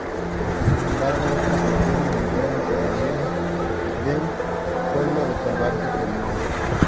Sin embargo otras versiones mencionan que proviene del pueblo de Cervantes en Lugo.